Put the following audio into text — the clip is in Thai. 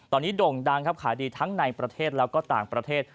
ตอนนี้โด่งดังครับขายดีทั้งในประเทศแล้วก็ต่างประเทศ